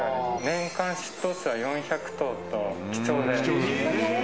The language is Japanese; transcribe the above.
年間出頭数は４００頭と貴重で。